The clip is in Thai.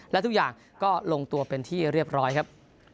และทุกอย่างก็ลงตัวเป็นที่เรียบร้อยครับ